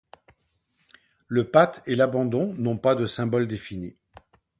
Le pat et l'abandon n'ont pas de symbole défini.